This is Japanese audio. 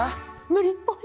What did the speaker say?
無理っぽい。